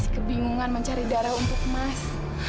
masih kebingungan mencari darah untuk mas